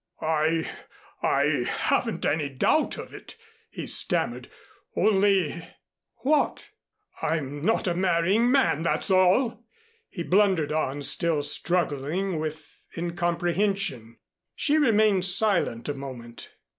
"I I haven't any doubt of it," he stammered. "Only " "What?" "I'm not a marrying man, that's all," he blundered on, still struggling with incomprehension. She remained silent a moment.